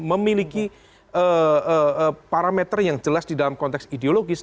memiliki parameter yang jelas di dalam konteks ideologis